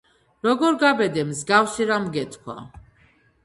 როგორ გაბედე, მსგავსი რამ გეთქვა?